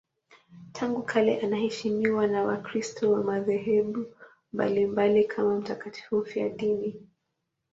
Tangu kale anaheshimiwa na Wakristo wa madhehebu mbalimbali kama mtakatifu mfiadini.